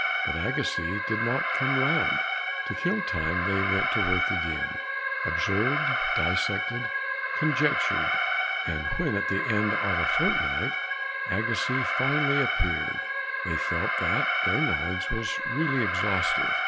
But Agassiz didn't come round. To kill time they went to work again, observed, dissected, conjectured, and when at the end of a fortnight Agassiz finally appeared, they felt that their knowledge was really exhaustive.